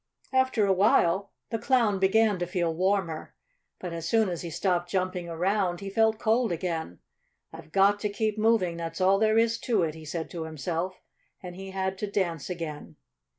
After a while the Clown began to feel warmer. But as soon as he stopped jumping around he felt cold again. "I've got to keep moving, that's all there is to it!" he said to himself, and he had to dance again.